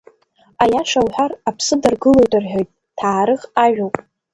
Аиаша уҳәар, аԥсы даргылоит рҳәоит, ҭаарых ажәоуп.